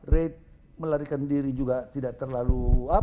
rate melarikan diri juga tidak terlalu